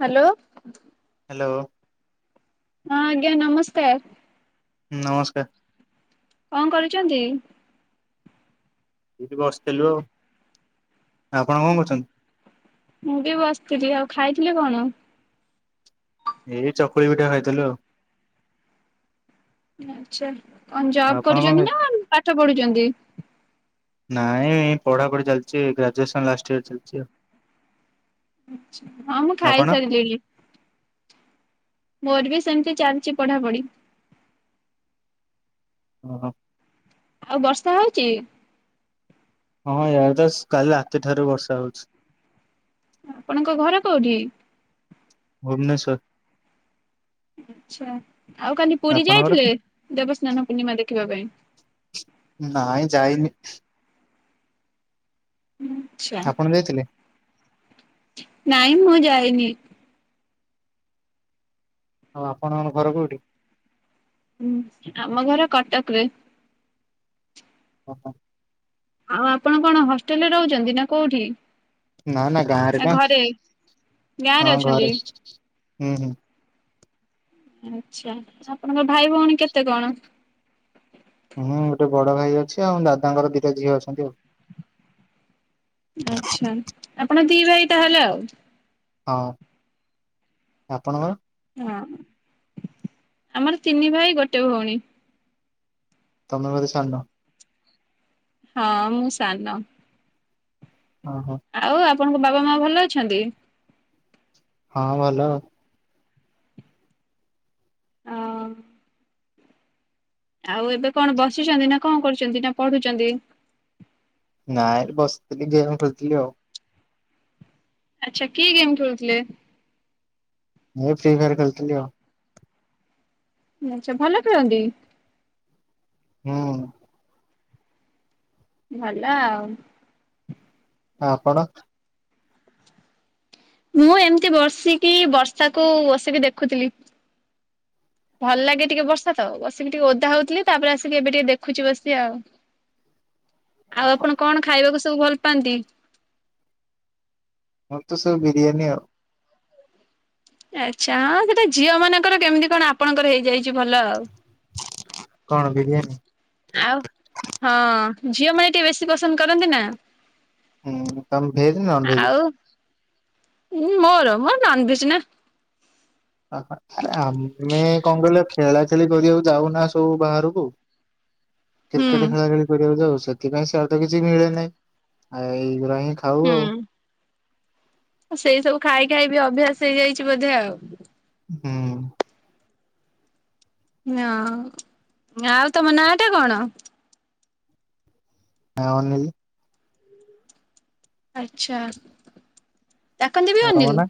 Hello hello ହଁ ଆଜ୍ଞା ନମସ୍କାର ହ ନମସ୍କାର କଣ କରୁଛନ୍ତି? ଏଠି ବସିଥିଲୁ ଆଉ ଆପଣ କଣ କରୁଛନ୍ତି ମୁଁ ବି ବସିଥିଲି ଆଉ ଖାଇଥିଲି କଣ? ଏଇ ଚକୁଳି ପିଠା ଖାଇଥିଲୁ ଆଉ ଆଚ୍ଛା କଣ ଜବ ଆପଣ କଣ କରୁଛନ୍ତି ଖାଇ ନା ପାଠ ପଢୁଛନ୍ତି ନାଇଁ ପଢ଼ାପଢ଼ି ଚାଲିଛି ଗ୍ରାଜୁଏସନ୍ ଲାଷ୍ଟ ଇୟର ଚାଲିଛି ଆଉ ଆଛା ହଁ ମୁଁ ଆପଣ ଖାଇସାରିଲିି ମୋର ବି ସେମିତି ଚାଲିଛି ପଢାପଢି ହୁ ହୋଁ ଆଉ ବର୍ଷା ହଉଛି ହଁ ୟାର ତ କାଲି ରାତିଠାରୁ ବର୍ଷା ହଉଛି ଆପଣଙ୍କ ଘର କୋଉଠି? ଭୁବନେଶ୍ୱର ଆଛା ଆଉ କାଲି ପୁରୀ ଆପଣଙ୍କର ଯାଇଥିଲେ ଦେବସ୍ନାନ ପୂର୍ଣ୍ଣିମା ଦେଖିବା ପାଇଁ ନାଇଁ ଯାଇନି ଆଛା ଆପଣ ଯାଇଥିଲେ ନାଇ ମୁଁ ଯାଏନି ଆଉ ଆପଣଙ୍କ ଘର କୋଉଠି? ହୁଁ ଆମ ଘର କଟକ ରେ ହ ହ ଆଉ ଆପଣ କଣ ହଷ୍ଟେଲ ରେ ରହୁଛନ୍ତି ନା କୋଉଠି ନା ନା ଗାଁରେ ବା ଗାଁ ରେ ହଁ ଅଛନ୍ତି? ଘରେ ହୁଁ ହୁଁ ଆଛା ଆପଣଙ୍କ ଭାଇ ଭଉଣୀ କେତେ କଣ? ହୁଁ ଗୋଟେ ବଡ ଭାଇ ଅଛି ଆଉ ଦାଦାଙ୍କର ଦିଟା ଝିଅ ଅଛନ୍ତି ଆଉ ଆଚ୍ଛା ଆପଣ ଦି ଭାଇ ତାହେଲେ ଆଉ ହଁ ଆପଣଙ୍କର ହଁ ଆମର ତିନି ଭାଇ ଗୋଟେ ଭଉଣୀ ତମେ ବୋଧେ ସାନ ହଁ ମୁଁ ସାନ ହଁ ହଁ ଆଉ ଆପଣଙ୍କ ବାବା ମା ଭଲ ଅଛନ୍ତି ହଁ ଭଲ ହ ଆଉ ଏବେ କଣ ବସିଛନ୍ତି ନା କଣ କରୁଛନ୍ତି ନା ପଢୁଛନ୍ତି ନାଇ ରେ ବସିଥିଲି ଗେମ୍ ଖେଳୁଥିଲି ଆଉ ଆଚ୍ଛା କି ଗେମ୍ ଖେଳୁଥିଲେ? ମୁ ଫ୍ରି ଫାୟାର ଖେଳୁଥିଲି ଆଉ। ଆଚ୍ଛା, ଭଲ ଖେଳନ୍ତି? ହୁଁ। ଭଲ ଆଉ। ଆଉ ଆପଣ? ମୁଁ ଏମିତି ବର୍ସିକି ବର୍ଷାକୁ ବସିକି ଦେଖୁଥିଲି। ଭଲ ଲାଗେ ଟିକେ ବର୍ଷା ତ। ବସିକି ଟିକେ ଓଦା ହଉଥିଲି, ତାପରେ ଆସିକି ଏବେ ଟିକେ ଦେଖୁଚି ବସି ଆଉ। ଆଉ ଆପଣ କଣ ଖାଇବାକୁ ସବୁ ଭଲ ପାଆନ୍ତି? ମୋର୍ ତ ସବୁ ବିରିୟାନୀ ଆଉ। ଆଚ୍ଛା ହଁ ସେଇଟା ଝିଅମାନଙ୍କର। କେମିତି କଣ ଆପଣଙ୍କର ହେଇଯାଇଚି ଭଲ ଆଉ। କଣ ବିରିୟାନୀ? ଆଉ, ହଁ ଝିଅମାନେ ଟିକେ ବେଶୀ ପସନ୍ଦ କରନ୍ତି ନା। ହୁଁ, ତମେ ଭେଜ ନା ନନ୍ ଭେଜ୍? ଆଉ [inaudible] ମୋର ମୋର ନନ୍ ଭେଜ୍ ନା। ଅ ଅ ଆରେ ଆମେ କଣ କହିଲ ଖେଳାଖେଳି କରିବାକୁ ଯାଉନା ସବୁ ବାହାରକୁ। ହୁଁ। କ୍ରିକେଟ ଖେଳାଖେଳି କରିବାକୁ ଯାଉ। ସେଥିପାଇଁ ସାଡେ ତ କିଛି ମିଳେ ନାହିଁ, ଆଉ ଏଇଗୁରା ହିଁ ଖାଉ ଆଉ। ଆ ସେଇ ସବୁ ଖାଇ ଖାଇ ବି ଅଭ୍ୟାସ ହେଇଯାଇଛି ବୋଧେ ଆଉ। ହୁଁ। ହଁ, ଆଉ ତମ ନାଁ ଟା କଣ? [unintelligible] ଆଚ୍ଛା। ଡାକନ୍ତି ବି ଆଉ ଅନିଲ। ତମ ନାଁ,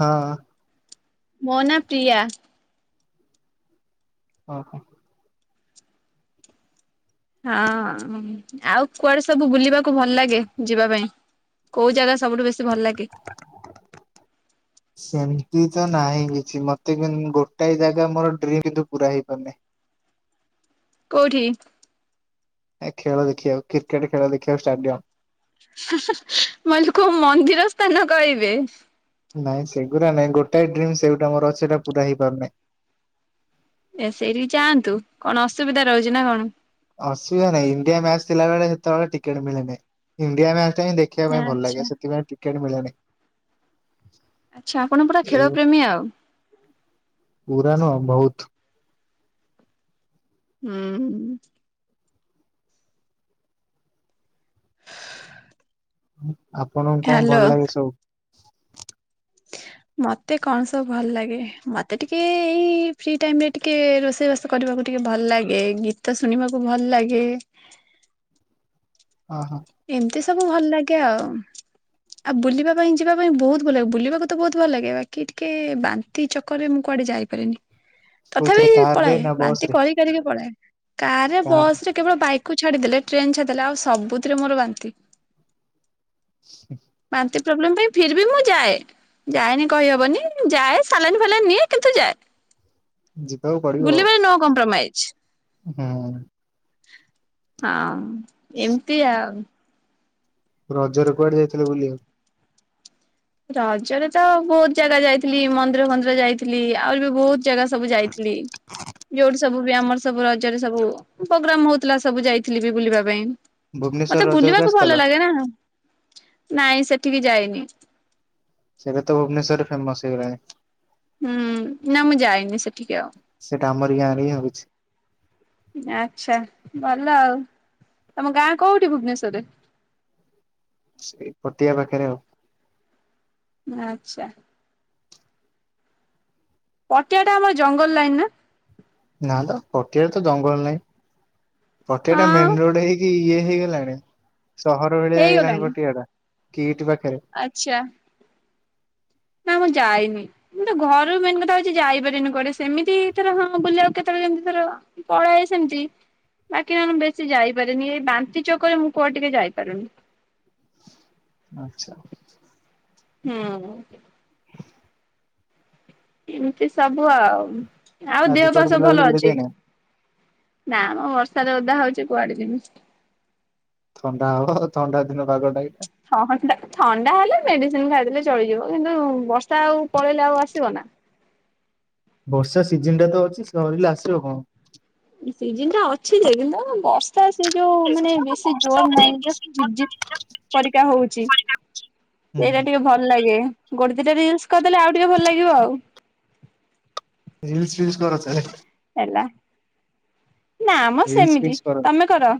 ହଁ। ମୋ ନାଁ ପ୍ରିୟା। ଓହୋ। ହଁ, ଆଉ କୁଆଡେ ସବୁ ବୁଲିବାକୁ ଭଲ ଲାଗେ ଯିବା ପାଇଁ? କୋଉ ଜାଗା ସବୁଠୁ ବେଶୀ ଭଲ ଲାଗେ? ସେମିତି ତ ନାହିଁ କିଛି ମତେ କିଂ ଗୋଟାଏ ଜାଗା ମୋର ଡ୍ରିମ୍ କିନ୍ତୁ ପୁରା ହେଇପାରୁନାହିଁ। କୋଉଠି? ଏ ଖେଳ ଦେଖିବାକୁ। କ୍ରିକେଟ ଖେଳ ଦେଖିବାକୁ ଷ୍ଟାଡିୟମ୍। ମୁଁ ଭାବିଲି କୋଉ ମନ୍ଦିର ସ୍ଥାନ କହିବେ। ନାଇଁ ସେଗୁରା ନାଇଁ। ଗୋଟାଏ ଡ୍ରିମ୍ ସେଇଟା ମୋର ଅଛି ସେଟା ପୁରା ହେଇପାରୁନାହିଁ। ଏ ସେଇଠିକି ଯାଆନ୍ତୁ। କଣ ଅସୁବିଧା ରହୁଚି ନା କଣ? ଆସୁବିଧା ନାହିଁ। ଇଣ୍ଡିଆ ମ୍ୟାଚ ଥିଲାବେଳେ ସେତେବେଳେ ଟିକେଟ୍ ମିଳେ ନାହିଁ। ଇଣ୍ଡିଆ ମ୍ୟାଚଟା ହିଁ ଦେ ଖିଆ ପାଇଁ ଭଲ ଆଚ୍ଛା। ଲାଗେ। ସେଥିପାଇଁ ଟିକେଟ୍ ମିଳେନି। ଆଚ୍ଛା ଆପଣ ପୁରା ଖେଳ ଏଇ ପ୍ରେମୀ ଆଉ। ପୁରା ନୁହଁ ବହୁତ୍‌। ହୁଁ। ଆପଣଙ୍କୁ କଣ ହ୍ୟାଲୋ ଭଲ ଲାଗେ ସବୁ? ମତେ କଣ ସବୁ ଭଲ ଲାଗେ? ମତେ ଟିକେ ଏଇ ଫ୍ରି ଟାଇମରେ ଟିକେ ରୋଷେଇବାସ୍ ସ କରିବାକୁ ଟିକେ ଭଲ ଲାଗେ। ଗୀତ ଶୁଣିବାକୁ ଭଲ ଲାଗେ। ଅ ହ। ଏମିତି ସବୁ ଭଲ ଲାଗେ ଆଉ। ଆଉ ବୁଲିବା ପାଇଁ ଯିବା ପାଇଁ ବହୁତ୍ ଭଲ ଲାଗେ। ବୁଲିବାକୁ ତ ବହୁତ ଭଲ ଲାଗେ। ବାକି ଟିକେ ବାନ୍ ନ୍ତି [unintelligible] ଚକରେ ମୁଁ କୁଆଡେ ଯାଇପାରେନି। ତଥାପି କୋଉଥିରେ କାର ରେ ପଳାଏ ନା ବସ ବାନ୍ତି ରେ? କରିି [unintelligible] ପଳାଏ। କାରରେ, କାର ବସ୍ ରେ, କେବଳ ବାଇକ୍ କୁ ଛାଡିଦେଲେ, ଟ୍ରେନ୍ ଛାଡିଦେଲେ, ଆଉ ସବୁ ଥିରେ ମୋର ବାନ୍ତି। [inaudible] ବାନ୍ତି ପ୍ରୋବ୍ଲେମ ପାଇଁ, ଫିର୍ ବି ମୁଁ ଯାଏ। ଯାଏନି କହିହବନି, ଯାଏ ସାଲାଇନ୍ ଫାଲାଇନ୍ ନିଏ, କିନ୍ତୁ ଯାଏ। ଯିବାକୁ ପଡିବ ଆଉ ବୁଲିବାରେ ନୋ କମ୍ପ୍ରୋମାଇଜ୍। ହୁଁ ହଁ, ଏମିତି ଆଉ। ରଜରେ କୁଆଡେ ଯାଇଥିଲେ ବୁଲିବାକୁ? ରଜରେ ତ ବହୁତ ଜାଗା ଯାଇଥିଲି, ମନ୍ଦିର ଫନ୍ଦିର ଯାଇଥିଲି। ଥିଲି। ଆହୁରି ବି ବହୁତ ଜାଗା ସବୁ ଯାଇଥିଲି। ଯୋଉଠି ସବୁ ବି ଆମର ସବୁ ରଜରେ ସବୁ ପ୍ରୋଗ୍ରାମ ହଉଥିଲା, ସବୁ ଯାଇଥିଲି ବି ବୁଲିବା ପାଇଁ। ଭୁବନେଶ୍ୱର ମତେ ରଜକୁ ବୁଲିବାକୁ ଆସିଥିଲ ଭଲ ଲାଗେ ନା। ନାଇଁ ସେଠିକି ଯାଇନି। ସେଇଟା ତ ଭୁବନେଶ୍ୱରରେ ଫେମସ୍ ହେଇଗଲାଣି? ହୁଁ, ନା, ମୁଁ ଯାଇନି ସେଠିିକି ଆଉ। ସେଇଟା ଆମରି ଗାଁରେ ହିଁ ହଉଛି। ଆଚ୍ଛା, ଭଲ ଆଉ। ତମ ଗାଁ କୋଉଠି ଭୁବନେଶ୍ୱରରେ? ସେ ପଟିଆ ପାଖରେ ଆଉ। ଆଚ୍ଛା, ପଟିଆଟା ଆମର ଜଙ୍ଗଲ ଲାଇନ ନା? ନା, ତ, ପଟିଆରେ ତ ଜଙ୍ଗଲ ନାହିଁ। ପଟିଆ ନା ଟା ହଁ ମେନ ରୋଡ ହେଇକି ଇଏ ହେଇଗଲାଣି, ସହର ଭଳିଆ ହେଇଗଲାଣି ପଟିଆଟା। କିଟ୍ ପାଖରେ। ଆଚ୍ଛା, ନା, ମୁଁ ଯାଇନି। ମୁଁ ତ ଘରୁ ମେନ୍ କଥା ହଉଛି ଯାଇପାରେନି କୁଆଡେ। ସେମିତି ହେଇଥିଲେ ହଁ ବୁଲିବାକୁ କେତେବେଳେ କେମିତି କର ପଳାଏ ସେମିତି। ବାକି ନହେଲେ ବେଶୀ ଯାଇପାରେନି, ଏଇ ବାନ୍ତି ଚକରରେ ମୁଁ କୁଆଡେ ଟିକେ ଯାଇପାରୁନି। ଆଚ୍ଛା, ହୁଁ ଏମିତି ସବୁ ଆଉ। ଆଉ ଆଜି ଦେହ କୁଆଡେ ପାହା ସବୁ ବୁଲାବୁଲି ଭଲ କରି ଅଛି? ଯାଇନା ନା, ମ, ବର୍ଷାରେ ଓଦା ହଉଛି କୁଆଡେ ଯିମି। ଥଣ୍ଡା ହବ। ଥଣ୍ଡା ଦିନ ପାଗଟା ଏଇଟା। ଥଣ୍ଡା, ଥଣ୍ଡା ହେଲେ ମେଡିସିନ ଖାଇଦେଲେ ଚଳିଯିବ। କିନ୍ତୁ ବର୍ଷା ଆଉ ପଳେଇଲେ ଆଉ ଆସିବ ନା। ବର୍ଷା ସିଜନଟା ତ ଅଛି, ସରିଲେ ଆସିବ କଣ। ସିଜିନଟା ଅଛି ଯେ, କିନ୍ତୁ ବର୍ଷା ସେ ଯୋଉ ମାନେ ବେଶୀ ଜୋର ନାହିଁ, ଯଷ୍ଟ ଝିପ୍ ଝିପ୍ ପରିକା ହଉଛି। ସେଇଟା ହୁଁ ଟିକେ ଭଲ ଲାଗେ। ଗୋଟେ, ଦିଟା, ରିଲସ କରିଦେଲେ ଆଉ ଟିକେ ଭଲ ଲାଗିବ ଆଉ। ରିଲ୍ସ ଫିଲ୍ସ କର ତାହେଲେ? ହେଲା, ନାମ ରିଲ୍ସ ସେମିତି। ଫିଲ୍ସ କର। ତମେ କର?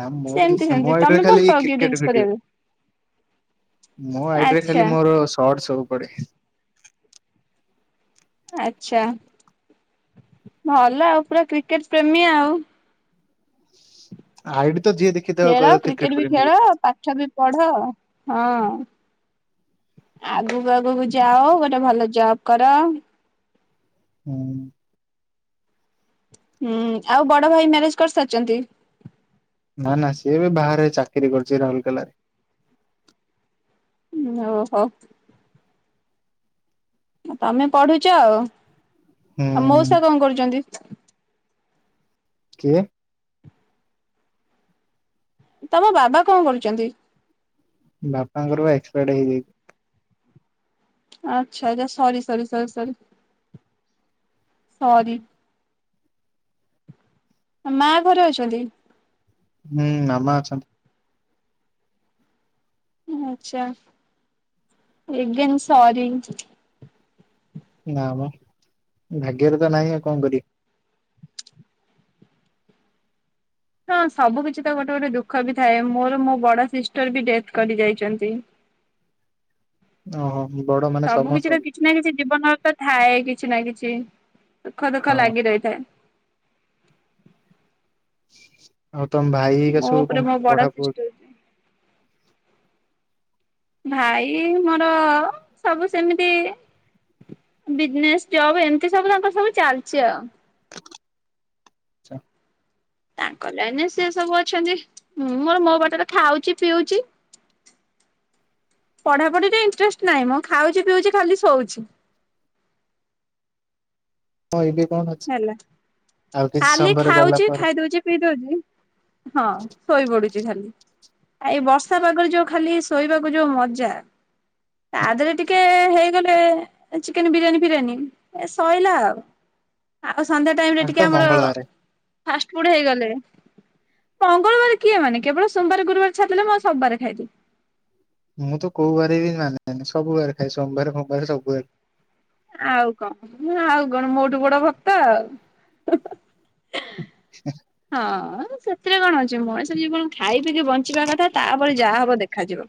ନା, ସେମିତି ମୋର ମୁଁ ସେମିତି ଆଇଡିରେ ତମେ ଭଲ ଖାଲି ପାଅ କି ରିଲସ କ୍ରିକେଟ ଭିଡିଓ। କରିବାକୁ ମୋ ଆଇଡିରେ ଆଚ୍ଛା ଖାଲି ମୋର ସଟ୍ସ ସବୁ ପଡେ। ଆଚ୍ଛା, ଭଲ ଆଉ ପୁରା କ୍ରିକେଟ ପ୍ରେମୀ ଆଉ? ଆଇଡି ତ ଯିଏ ଦେଖି ଖେଳ, କ୍ରିକେଟ ବି ଖେଳ, ପାଠ ବି ପଢ, ହଁ। ଆଗକୁ ଆଗକୁ ଯାଅ ଗୋଟେ ଭଲ ଜବ୍ କର। ହୁଁ। ହୁଁ ଆଉ ବଡ ଭାଇ ମ୍ୟାରେଜ୍ କରିସାରିଚନ୍ତି? ନା ନା ସିଏ ଏବେ ବାହାରେ ଚାକିରି କରଚି ରାଉଲକେଲାରେ। ଉଁ ଓହୋ। ଆ ତମେ ପଢୁଚ ଆଉ ଆଉ ହୁଁ। ମଉସା କଣ କରୁଚନ୍ତି? କିଏ? ତମ ବାବା କଣ କରୁଚନ୍ତି? ବାପାଙ୍କର ପା ଏକ୍ସପାୟାଡ଼ ହେଇଯାଇଚି। ଆଚ୍ଛା ଆଚ୍ଛା ସରି ସରି ସରି ସରି ସରି। ଆ ମା ଘରେ ଅଛନ୍ତି? ହୁଁ ମାମା ଅଛନ୍ତି। ଆଛା ଏଗେନ୍ ସରି। ନା ମ୍ ଭାଗ୍ୟରେ ତ ନାହିଁ ଆଉ କଣ କରିବି। ହଁ ସବୁ କିଛି ତ ଗୋଟେ ଗୋଟେ ଦୁଃଖ ବି ଥାଏ ମୋର ମୋ ବଡ ସିଷ୍ଟର୍ ବି ଡେଥ୍ କରି ଯାଇଚନ୍ତି। ଓହୋ। ବଡ ମାନେ ସବୁ ସମସ୍ତଙ୍କ କିଛିର କିଛି ନା କିଛି ଜୀବନର ତ ଥାଏ କିଛି ନା କିଛି ସୁଖ ହଁ ଦୁଃଖ ଲାଗି ରହିଥାଏ। ଆଉ ତମ ଭାଇ ହେରିକା ମୋ ସବୁ ଉପରେ କଣ ମୋ ବଡ ପଢା ପଢୁଛ ସିଷ୍ଟର ଭାଇ ମୋର ସବୁ ସେମିତି ବିଜନେସ୍ ଜବ୍ ଏମିତି ସବୁ ତାଙ୍କର ସବୁ ଚାଲିଚି ଆଉ। ଆଛା। ତାଙ୍କ ଲାଇନ୍ ରେ ସେ ସବୁ ଅଛନ୍ତି ମୁଁ ମୋର ମୋ ବାଟରେ ଖାଉଚି ପିଉଚି ପଢ଼ାପଢ଼ିରେ ଇଣ୍ଟରେଷ୍ଟ ନାହିଁ ମ ଖାଉଚି ପିଉଚି ଖାଲି ଶୋଉଚି। ହଁ ଏବେ କଣ ଅଛି? ହେଲା ଆଉ କିଛି ଖାଲି ସମୟରେ ଗଲା ଖାଉଚି ପରେ ଖାଇ ଦଉଚି ପିଇ ଦଉଚି ହଁ ଶୋଇ ପଡୁଚି ଖାଲି। ଆ ଏଇ ବର୍ଷା ପାଗରେ ଯୋଉ ଖାଲି ଶୋଇବାକୁ ଯୋଉ ମଜା ତା ଦେହରେ ଟିକେ ହେଇଗଲେ ଚିକେନ ବିରିୟାନୀ ଫିରିୟାନୀ ଏ ଶଇଲା ଆଉ। ଆଉ ସନ୍ଧ୍ୟା ଟାଇମ୍ ରେ ଆଜି ଟିକେ ତ ଆମର ମଙ୍ଗଳବାରେ ଫାଷ୍ଟ ଫୁଡ ହେଇଗଲେ ମଙ୍ଗଳବାର କିଏ ମାନେ କେବଳ ସୋମବାର ଗୁରୁବାର ଛାଡ଼ ଦେଲେ ମୁଁ ଆଉ ସବୁବାର ଖାଇଦିଏ। ମୁଁ ତ କୋଉ ବାରେ ବି ମାନେନି ସବୁ ବାରେ ଖାଇଏ ସୋମବାର ଖୋମବାର ସବୁବାରେ। ଆଉ କଣ ଆଉ କଣ ମୋଠୁ ବଡ ଭକ୍ତ ଆଉ। [unintelligible] ହଁ ସେଥିରେ କଣ ଅଛି ମଣିଷ ଜୀବନ ଖାଇ ପିକି ବଞ୍ଚିବା କଥା ତାପରେ ଯାହା ହବ ଦେଖାଯିବ।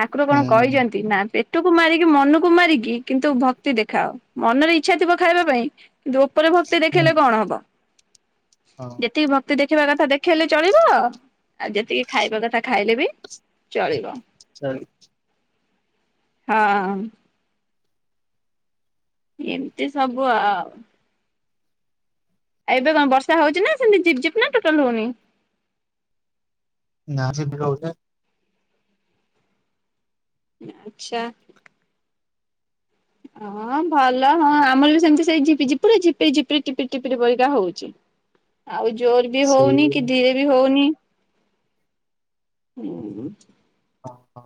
ଠାକୁର କଣ ହୁଁ କହିଚନ୍ତି ନା ଟୁକୁ ମାରିକି ମନକୁ ମାରିକି କିନ୍ତୁ ଭକ୍ତି ଦେଖାଅ ମନରେ ଇଚ୍ଛା ଥିବ ଖାଇବା ପାଇଁ ଧୋପରେ ଭକ୍ତି ହୁଁ ଦେଖେଇଲେ କଣ ହବ ହଁ। ଯେତିକି ଭକ୍ତି ଦେଖିବା କଥା ଦେଖେଇଲେ ଚଳିବ ଆଉ ଯେତିକି ଖାଇବା କଥା ଖାଇଲେ ବି ଚଳିବ [unintelligible] ହଁ। ଏମିତି ସବୁ ଆଉ। ଏବେ କଣ ବର୍ଷା ହଉଚି ନା ସେମିତି ଝିପ୍ ଝିପ୍ ନା ଟୋଟାଲ ହଉନି? ନା ସେଠୀ ରହୁଛେ। ଆଚ୍ଛା। ହଁ, ଭଲ ହଁ ଆମର ବି ସେମିତି ସେଇ ଝିପିଝିପ ପୁରା ଜିପେଇ ଟିପିରି ଟିପିକା ପରିକା ହଉଛି। ଆଉ ଜୋର ବି ହଉନି, ସେଇ କି ଧିରେ ବି ହଉନି। ହଁ, ହଁ।